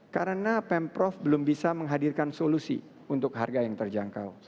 karena pemprov belum bisa menghadirkan solusi untuk harga yang terjangkau